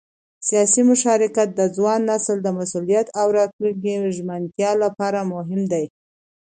سیاسي مشارکت د ځوان نسل د مسؤلیت او راتلونکي ژمنتیا لپاره مهم دی